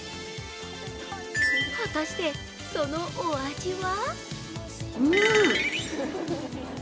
果たして、そのお味は？